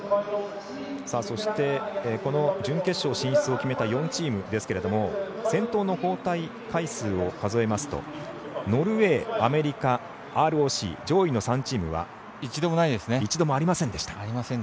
そして、この準決勝進出を決めた４チームですけれども先頭の交代回数を数えますとノルウェー、アメリカ、ＲＯＣ上位の３チームは一度もありませんでした。